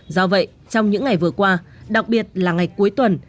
do vậy trong những ngày vừa qua đặc biệt là ngày cuối tuần